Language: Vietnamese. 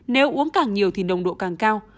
nếu uống càng nhiều thì nồng độ càng cao